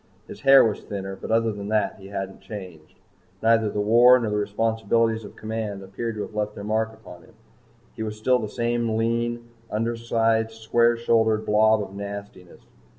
His hair was thinner, but other than that he hadn't changed. Neither the war nor the responsibilities of command appeared to have left their mark upon him. He was still the same lean, undersized square shouldered blob of nastiness.